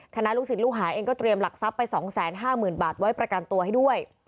ลูกศิษย์ลูกหาเองก็เตรียมหลักทรัพย์ไป๒๕๐๐๐บาทไว้ประกันตัวให้ด้วย